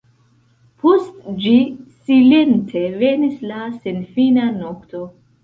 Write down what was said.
Post ĝi silente venis la senfina nokto.